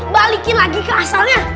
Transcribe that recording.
balikin lagi ke asalnya